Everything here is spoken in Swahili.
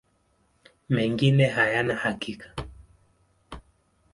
Mengine hayana hakika.